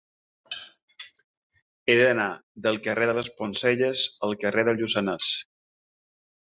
He d'anar del carrer de les Poncelles al carrer del Lluçanès.